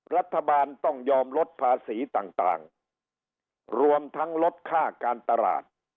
รัฐบาลต้องยอมลดภาษีต่างรวมทั้งลดค่าการตลาด